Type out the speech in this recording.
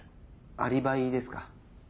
アリバイですか？